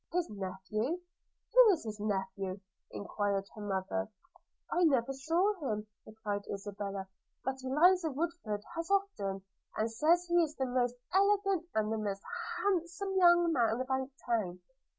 'His nephew! – Who is his nephew?' enquired her mother. 'I never saw him,' replied Isabella, 'but Eliza Woodford has often and says he is the most elegant and the handsomest young man about town.'